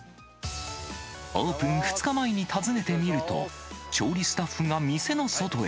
オープン２日前に訪ねてみると、調理スタッフが店の外へ。